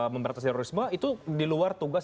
membatasi terorisme itu di luar tugas